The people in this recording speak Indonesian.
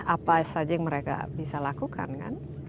apa saja yang mereka bisa lakukan kan